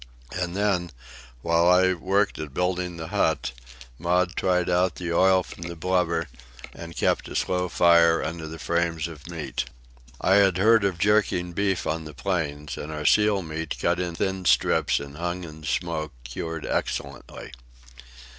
And then, while I worked at building the hut, Maud tried out the oil from the blubber and kept a slow fire under the frames of meat. I had heard of jerking beef on the plains, and our seal meat, cut in thin strips and hung in the smoke, cured excellently.